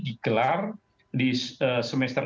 dikelar di semester